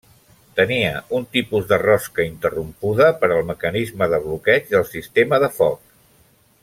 Tenia un tipus de rosca interrompuda, per al mecanisme de bloqueig del sistema de foc.